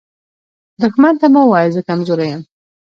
دښمن ته مه وایه “زه کمزوری یم”